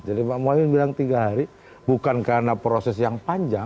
jadi pak mohamad bilang tiga hari bukan karena proses yang panjang